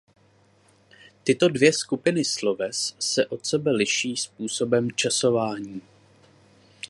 Tyto dvě skupiny sloves se od sebe liší způsobem časování.